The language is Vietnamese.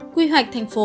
quy hoạch thành phố